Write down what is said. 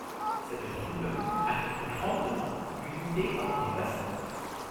Cette tromperie affecte grandement l'unité entre les vassaux.